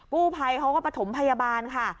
กู้ภัยเขาก็ประถมพยาบาลค่ะ